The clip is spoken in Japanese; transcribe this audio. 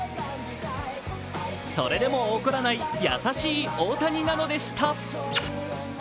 それでも怒らない優しい大谷なのでした。